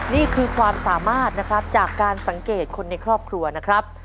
นี่คือความสามารถนะครับจากการสังเกตคนในครอบครัวนะครับ